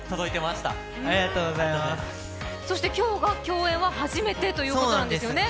今日が、共演が初めてということなんですね。